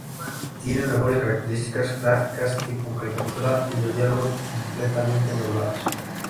Tiene mejores características, gráficas tipo caricatura y los diálogos completamente doblados.